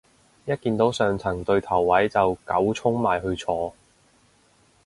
一見到上層對頭位就狗衝埋去坐